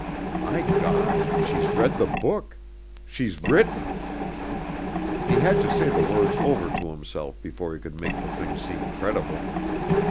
"My God she's read the book. She's written!" He had to say the words over to himself before he could make the thing seem credible.